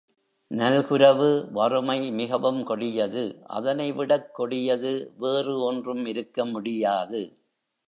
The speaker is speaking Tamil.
நல்குரவு வறுமை மிகவும் கொடியது அதனை விடக் கொடியது வேறு ஒன்றும் இருக்க முடியாது.